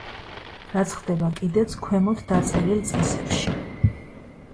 რაც ხდება კიდეც ქვემოთ დაწერილ წესებში.